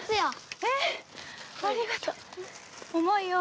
えっ、ありがとう。